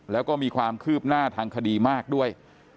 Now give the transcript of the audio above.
แล้วก็มีความคืบหน้าทางคดีมากด้วย